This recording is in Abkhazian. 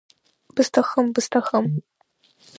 Бысҭахым, бысҭахым!